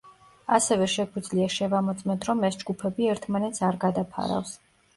ასევე შეგვიძლია შევამოწმოთ რომ ეს ჯგუფები ერთმანეთს არ გადაფარავს.